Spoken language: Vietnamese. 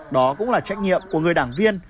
đó cũng là trách nhiệm của người đảng viên